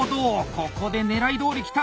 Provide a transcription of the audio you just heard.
ここでねらいどおりきた！